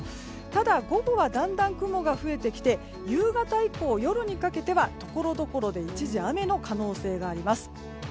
ただ、午後はだんだん雲が増えてきて夕方以降、夜にかけてはところどころで一時雨の可能性があります。